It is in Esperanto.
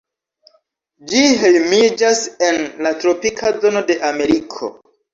Ĝi hejmiĝas en la tropika zono de Ameriko.